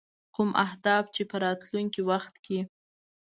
کوم اهداف چې په راتلونکي وخت کې.